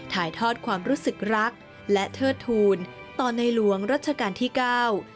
ถ่ายทอดความรู้สึกรักและเทิดทูลต่อในหลวงรัชกาลที่เก้า